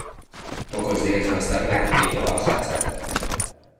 Pocos días más tarde llegó a Jáchal.